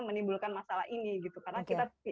menimbulkan masalah ini karena kita